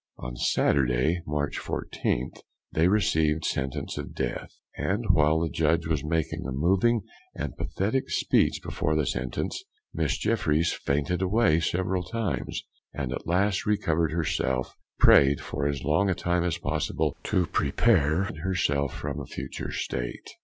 On Saturday, March 14th, they received sentence of death; and while the judge was making a moving and pathetic speech before the sentence, Miss Jeffryes fainted away several times, and at last recovered herself, pray'd for as long a time as possible to prepare herself for a future state.